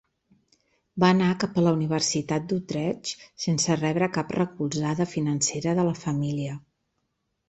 Va anar cap a la Universitat d'Utrecht sense rebre cap recolzada financera de la família.